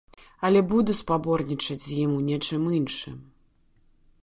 Але буду спаборнічаць з ім у нечым іншым.